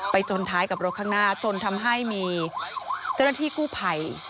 จนท้ายกับรถข้างหน้าจนทำให้มีเจ้าหน้าที่กู้ภัย